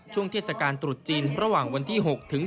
ช่วงเทศกาลตรุษจีนระหว่างวันที่๖ถึง